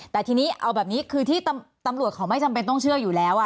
แต่ทีนี้เอาแบบนี้คือที่ตำรวจเขาไม่จำเป็นต้องเชื่ออยู่แล้ว